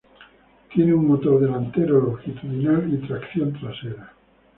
Tiene un motor delantero longitudinal y tracción trasera.